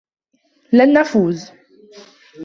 لن نفوز.